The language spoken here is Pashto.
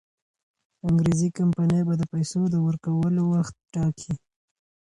انګریزي کمپانۍ به د پیسو د ورکولو وخت ټاکي.